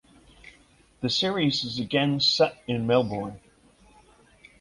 The series is again set in Melbourne.